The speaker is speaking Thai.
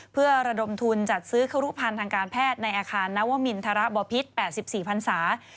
เพื่อระดมทุนจัดซื้อครุภัณฑ์ทางการแพทย์ในอาคารนัวมินทระบ่อพิษ๘๔ภัณฑ์ศาสตร์